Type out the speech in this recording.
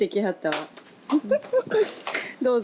どうぞ。